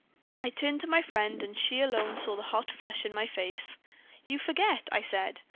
"I turned to my friend, and she alone saw the hot flush on my face. "'You forget,' I said.